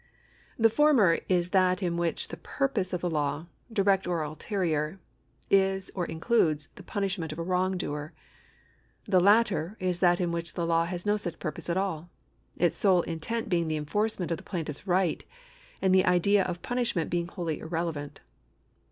The former is that in which the purpose of the law, direct or ulterior, is or includes the punishment of a wrongdoer ; the latter is that in which the law has no such purpose at all, its sole intent being the enforcement of the plaintiff's right, and the idea of punishment being wholly irrelevant.